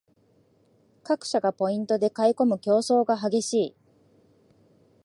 各社がポイントで囲いこむ競争が激しい